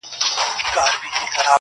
ماته له عمرونو د قسمت پیاله نسکوره سي؛